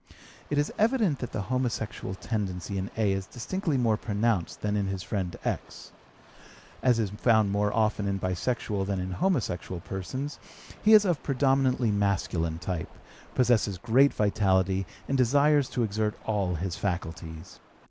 It is evident that the homosexual tendency in A. is distinctly more pronounced than in his friend X. As is found more often in bisexual than in homosexual persons, he is of predominantly masculine type, possesses great vitality, and desires to exert all his faculties.